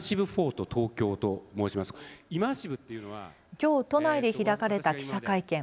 きょう都内で開かれた記者会見。